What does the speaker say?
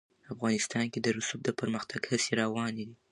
افغانستان کې د رسوب د پرمختګ هڅې روانې دي.